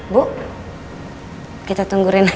bu kita tunggu rina disitu